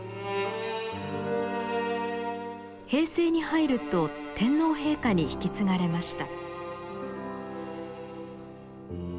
平成に入ると天皇陛下に引き継がれました。